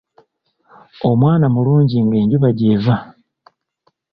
Omwana mulungi nga Enjuba gy’eva.